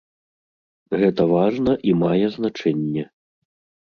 Гэта важна і мае значэнне.